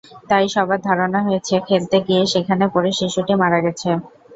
তাই সবার ধারণা হয়েছে, খেলতে গিয়ে সেখানে পড়ে শিশুটি মারা গেছে।